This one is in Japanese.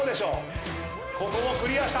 ここもクリアした。